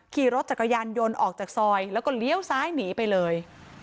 ขี่รถจักรยานยนต์ออกจากซอยแล้วก็เลี้ยวซ้ายหนีไปเลย